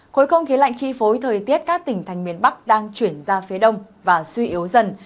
khối không khí lạnh chi phối thời tiết các tỉnh thành miền bắc đang chuyển ra phía đông và suy yếu dần